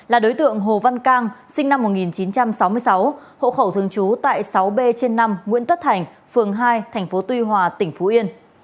là đối tượng hồ văn cang sinh năm một nghìn chín trăm sáu mươi sáu hộ khẩu thường trú tại sáu b trên năm nguyễn tất thành phường hai tp tuy hòa tỉnh phú yên